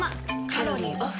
カロリーオフ。